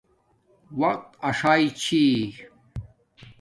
وقت اݽݵ چھی